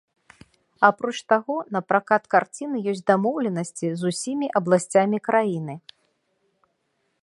Апроч таго на пракат карціны ёсць дамоўленасці з усімі абласцямі краіны.